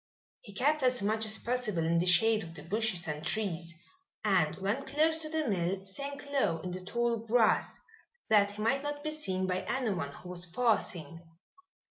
He kept as much as possible in the shade of the bushes and trees and when close to the mill sank low in the tall grass, that he might not be seen by anyone who was passing.